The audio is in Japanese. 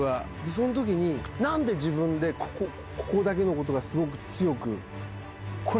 その時に何で自分でここだけのことがすごく強く。